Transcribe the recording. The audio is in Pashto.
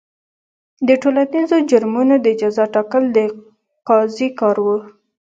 د ټولنیزو جرمونو د جزا ټاکل د قاضي کار و.